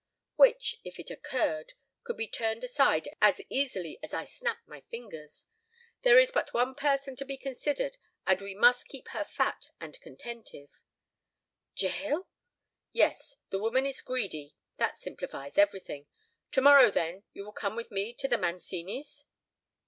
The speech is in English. "Which, if it occurred, could be turned aside as easily as I snap my fingers. There is but one person to be considered, and we must keep her fat and contented." "Jael?" "Yes; the woman is greedy; that simplifies everything. To morrow, then, you will come with me to the Mancini's?"